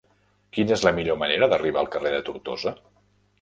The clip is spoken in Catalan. Quina és la millor manera d'arribar al carrer de Tortosa?